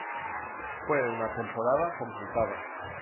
Fue una temporada complicada.